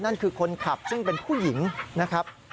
นั่นคือคนขับซึ่งเป็นผู้หญิงนะครับ